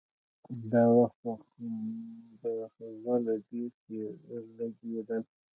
دا وخت به غله ډېر لګېدل.